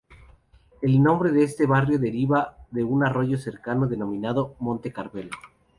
El nombre de este barrio deriva de un arroyo cercano, denominado Monte Carmelo.